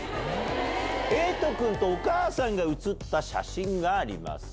エイトくんとお母さんが写った写真があります。